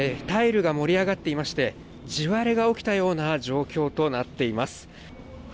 タイルが盛り上がっていまして地割れが起きたような状況となっています。